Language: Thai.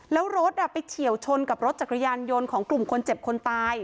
แล้วรถไปเฉียวชนกับรถจักรยานยนต์ของกลุ่มคนเจ็บคนตาย